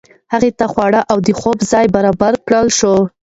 هغه ته خواړه او د خوب ځای برابر کړل شو.